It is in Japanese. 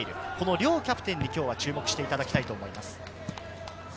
両キャプテンに今日は注目していただきたいと思います。